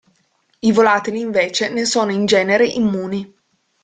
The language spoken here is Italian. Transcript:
I volatili invece, ne sono in genere immuni.